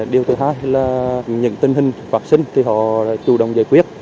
điều thứ hai là những tình hình vắc xin thì họ chủ động giải quyết